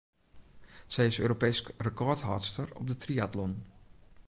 Sy is Europeesk rekôrhâldster op de triatlon.